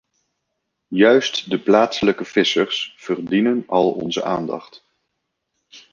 Juist de plaatselijke vissers verdienen al onze aandacht.